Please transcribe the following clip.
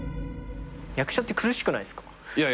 役者って苦しくないっすか？